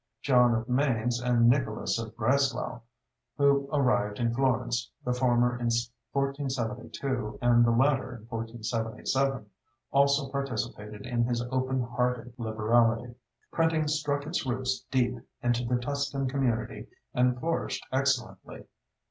John of Mainz and Nicholas of Breslau, who arrived in Florence, the former in 1472 and the latter in 1477, also participated in his open hearted liberality. Printing struck its roots deep into the Tuscan community and flourished excellently.